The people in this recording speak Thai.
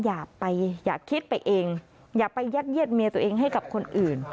อย่าไปอย่าคิดไปเองอย่าไปยัดเยียดเมียตัวเองให้กับคนอื่น